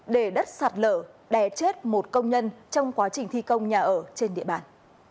để đất sạt lở đè chết một công nhân trong quá trình thi công nhà ở trên địa bàn